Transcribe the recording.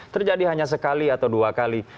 terjadi hanya sekali atau dua kali